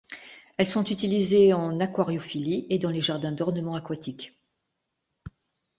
Elles sont utilisées en aquariophilie et dans les jardins d'ornement aquatiques.